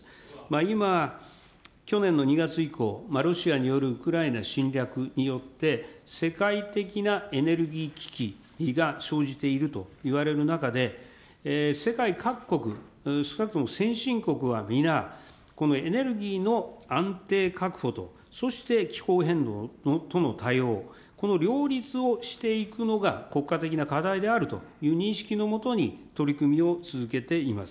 今、去年の２月以降、ロシアによるウクライナ侵略によって、世界的なエネルギー危機が生じているといわれる中で、世界各国、少なくとも先進国は皆、エネルギーの安定確保と、そして気候変動との対応、この両立をしていくのが国家的な課題であるという認識の下に取り組みを続けています。